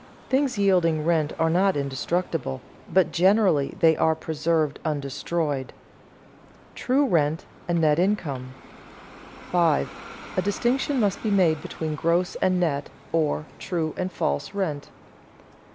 Things yielding rent are not indestructible, but generally they are preserved undestroyed. [Sidenote: True rent a net income] 5. _A distinction must be made between gross and net, or true and false rent.